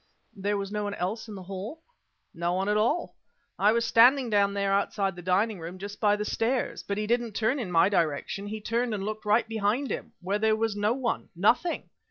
"There was no one else in the hall?" "No one at all. I was standing down there outside the dining room just by the stairs, but he didn't turn in my direction, he turned and looked right behind him where there was no one nothing.